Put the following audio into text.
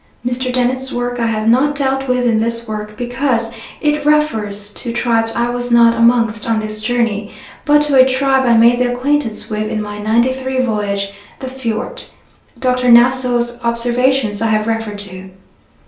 Mr. Dennett's work I have not dealt with in this work because it refers to tribes I was not amongst on this journey, but to a tribe I made the acquaintance with in my '93 voyage the Fjort. Dr. Nassau's observations I have referred to.